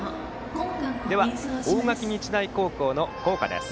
では、大垣日大高校の校歌です。